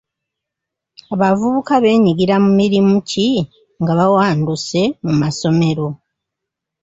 Abavubuka beenyigira mu mirimu ki nga bawanduse mu masomero?